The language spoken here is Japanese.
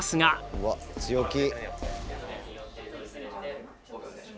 うわっ強気。